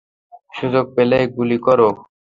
সুযোগ পেলেই গুলি করো।